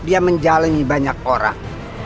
dia menjalani banyak orang